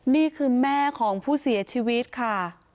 นี่คือแม่ของผู้เสียชีวิตค่ะ